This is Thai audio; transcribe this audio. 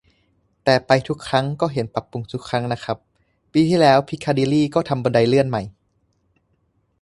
แต่ไปทุกครั้งก็เห็นปรับปรุงทุกครั้งนะครับ ปีที่แล้วพิคาดิลลีก็ทำบันไดเลื่อนใหม่